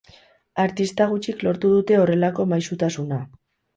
Artista gutxik lortu dute horrelako maisutasuna.